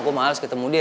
gua males ketemu dia